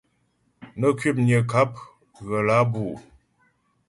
Nə kwəpnyə ŋkáp ghə̀ lǎ bǔ ?